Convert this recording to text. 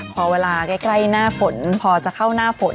พอเวลาใกล้หน้าฝนพอจะเข้าหน้าฝน